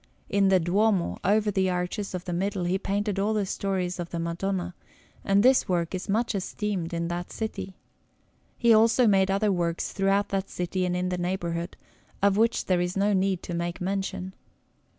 In the Duomo, over the arches in the middle, he painted all the stories of the Madonna; and this work is much esteemed in that city. He also made other works throughout that city and in the neighbourhood, of which there is no need to make mention.